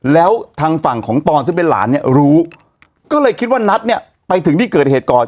แล้วทางฝั่งของปอนซึ่งเป็นหลานเนี่ยรู้ก็เลยคิดว่านัทเนี่ยไปถึงที่เกิดเหตุก่อน